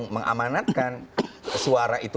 menamanatkan suara itu